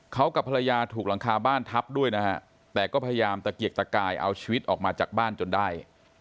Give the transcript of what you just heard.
เขากับภรรยาถูกหลังคาบ้านทับด้วยนะฮะแต่ก็พยายามตะเกียกตะกายเอาชีวิตออกมาจากบ้านจนได้